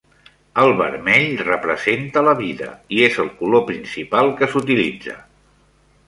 El vermell representa la vida i és el color principal que s'utilitza.